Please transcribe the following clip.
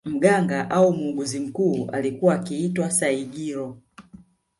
Mganga au muuguzi mkuu alikuwa akiitwa Saigiro